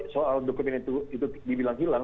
soal dokumen itu dibilang hilang